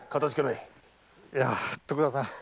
いや徳田さん